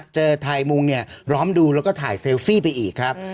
ไทยมุงเนี่ยล้อมดูแล้วก็ถ่ายเซลฟี่ไปอีกครับ